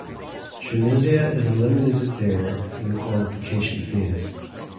Tunisia is eliminated there in the qualification phase.